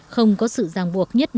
không có sự giang buộc nhất định